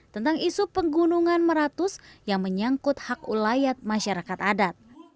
tentang isu pegunungan meratus yang menyangkut hak ulayat masyarakat adat